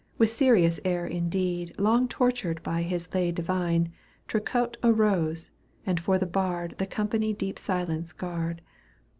With serious air indeed. Long tortured by his lay divine, Triquet arose, and for the bard The company deep silence guard.